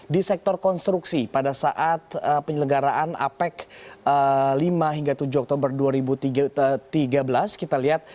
di sektor konstruksi pada saat penyelenggaraan apec lima hingga tujuh oktober dua ribu tiga belas kita lihat